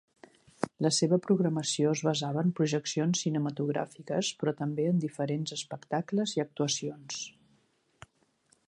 La seva programació es basava en projeccions cinematogràfiques però també en diferents espectacles i actuacions.